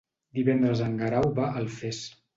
Divendres en Guerau va a Alfés.